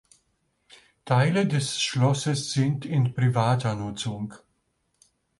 Teile des Schloss sind in privater Nutzung.